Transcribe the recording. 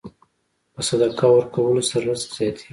په صدقه ورکولو سره رزق زیاتېږي.